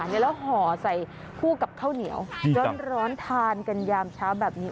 แล้วห่อใส่คู่กับข้าวเหนียวร้อนทานกันยามเช้าแบบนี้